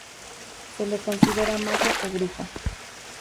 Se le considera mago o brujo.